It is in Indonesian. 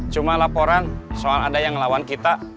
cuma laporan soal ada yang lawan kita